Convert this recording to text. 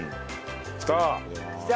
きた！